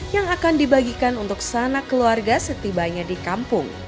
yang akan dibagikan untuk sanak keluarga setibanya di kampung